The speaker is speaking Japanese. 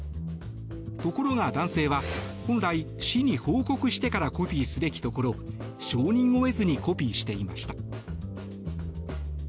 ところが、男性は本来、市に報告してからコピーすべきところ承認を得ずにコピーしていました。